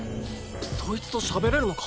そいつとしゃべれるのか？